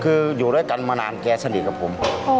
คืออยู่ด้วยกันมานานแกสนิทกับผม